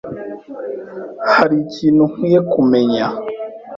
Hari ikintu nkwiye kumenya?